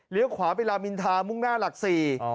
ขวาไปลามินทามุ่งหน้าหลักสี่